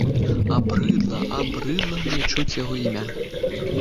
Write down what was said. Абрыдла, абрыдла мне чуць яго імя!